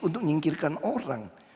untuk menyingkirkan orang